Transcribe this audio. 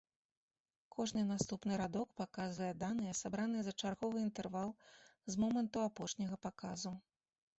Кожны наступны радок паказвае даныя, сабраныя за чарговы інтэрвал з моманту апошняга паказу.